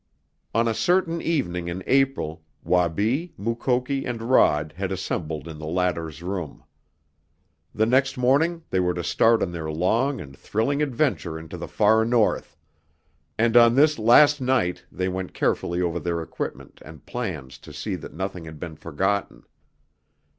On a certain evening in April, Wabi, Mukoki and Rod had assembled in the latter's room. The next morning they were to start on their long and thrilling adventure into the far North, and on this last night they went carefully over their equipment and plans to see that nothing had been forgotten.